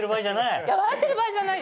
笑ってる場合じゃない？